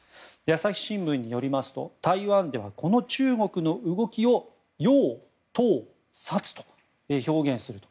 朝日新聞によりますと台湾では、この中国の動きを養・套・殺と表現すると。